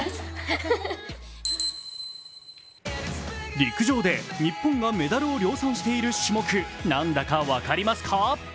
陸上で日本がメダルを量産している種目、何だか分かりますか？